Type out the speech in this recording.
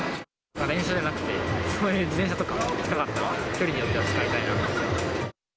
電車じゃなくて、自転車とか、近かったら、距離によっては使いたいな。